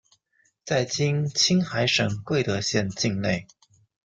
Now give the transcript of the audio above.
在今青海省贵德县境内。